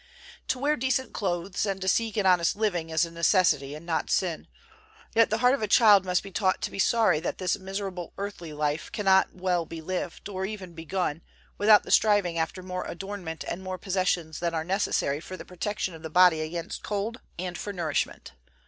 To wear decent clothes and to seek an honest living is a necessity, and not sin. Yet the heart of a child must be taught to be sorry that this miserable earthly life cannot well be lived, or even begun, without the striving after more adornment and more possessions than are necessary for the protection of the body against cold and for nourishment.